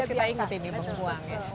harus kita ingetin nih bengkuang ya